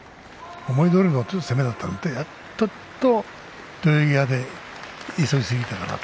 思いどおりの攻めだったのかちょっと土俵際で急ぎすぎたかな